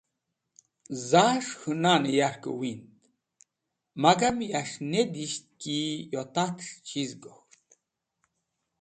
Zas̃h k̃hũ nanẽ yarkẽ wind magam yas̃h ne disht ki yo tats̃h chiz gok̃ht.